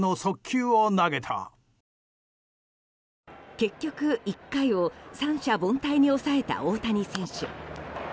結局、１回を三者凡退に抑えた大谷選手。